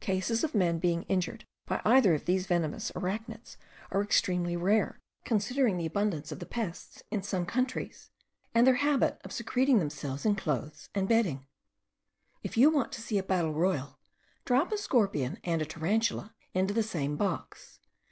Cases of men being injured by either of these venomous arachnids are extremely rare, considering the abundance of the pests in some countries, and their habit of secreting themselves in clothes and bedding. If you want to see a battle royal, drop a scorpion and a tarantula into the same box.